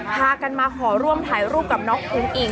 พากันมาขอร่วมถ่ายรูปกับน้องอุ้งอิง